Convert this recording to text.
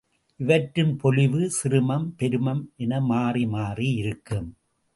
இவற்றின் பொலிவு சிறுமம் பெருமம் என மாறி மாறி இருக்கும்.